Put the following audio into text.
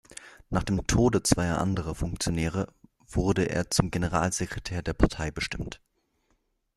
Nach dem Tode zweier anderer Funktionäre wurde er zum Generalsekretär der Partei bestimmt.